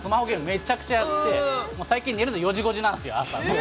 めちゃくちゃやって、もう最近、寝るの４時、５時なんですよ、朝、もう。